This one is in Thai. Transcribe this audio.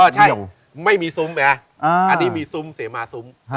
อ่อใช่ไม่มีซุ้มไหมอันนี้มีซุ้มเสมาซุ้ม